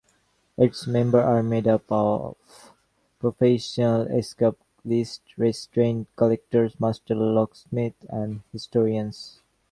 Its members are made up of professional escapologists, restraint collectors, master locksmiths, and historians.